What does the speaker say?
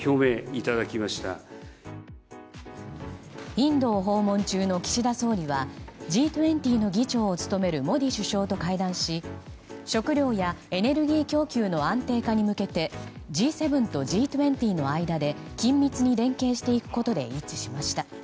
インドを訪問中の岸田総理はＧ２０の議長を務めるモディ首相と会談し食料やエネルギー供給の安定化に向けてＧ７とＧ２０の間で緊密に連携していくことで一致しました。